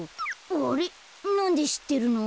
あれっなんでしってるの？